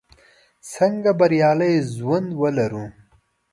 څنګه بریالی ژوند ولرو?